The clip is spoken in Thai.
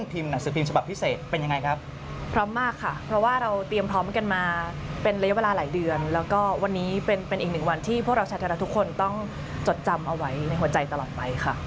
เป็นระยะเวลาหลายเดือนแล้วก็วันนี้เป็นอีกหนึ่งวันที่พวกเราชาติธรรมทุกคนต้องจดจำเอาไว้ในหัวใจตลอดไปค่ะ